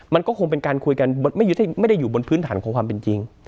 มันก็คงเป็นการคุยกันไม่ได้อยู่บนพื้นฐานของความเป็นจริง